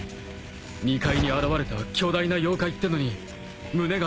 ２階に現れた巨大な妖怪ってのに胸がざわついて。